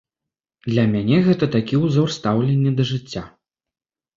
Для мяне гэта такі ўзор стаўлення да жыцця.